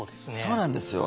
そうなんですよ。